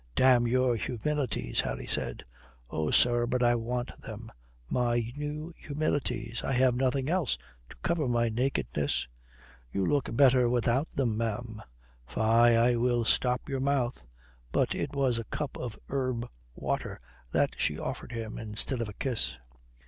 "Damn your humilities," Harry said. "Oh, sir, but I want them, my new humilities. I have nothing else to cover my nakedness." "You look better without them, ma'am." "Fie, I will stop your mouth." But it was a cup of herb water that she offered him instead of a kiss.